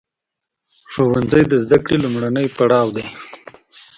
ښوونځی د زده کړې لومړنی پړاو دی.